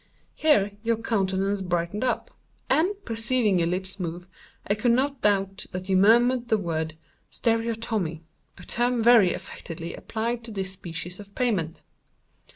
Here your countenance brightened up, and, perceiving your lips move, I could not doubt that you murmured the word 'stereotomy,' a term very affectedly applied to this species of pavement.